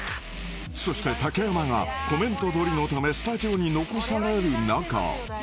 ［そして竹山がコメント撮りのためスタジオに残される中］